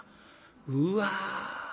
うわ。